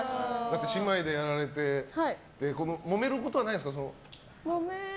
姉妹でやられてもめることはないですか？